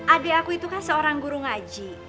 adik aku itu kan seorang guru ngaji